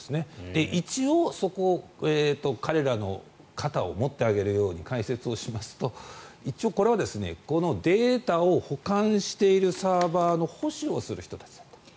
一応彼らの肩を持ってあげるように解説をしますと一応これはデータを保管しているサーバーの保守をする人たちだったと。